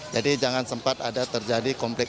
jadi jangan sempat ada terjadi kompak